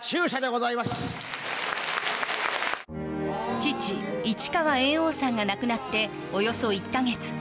父・市川猿翁さんが亡くなっておよそ１ヶ月。